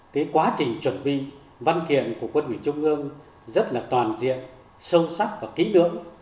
cái quá trình chuẩn bị văn kiện của quân ủy trung ương rất là toàn diện sâu sắc và kỹ lưỡng